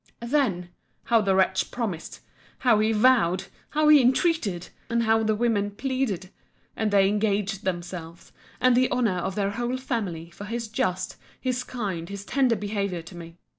Then! how the wretch promised!—How he vowed!—How he entreated!—And how the women pleaded!—And they engaged themselves, and the honour of their whole family, for his just, his kind, his tender behaviour to me.